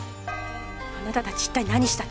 あなたたち一体何したの？